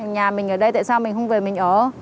nhà mình ở đây tại sao mình không về mình ở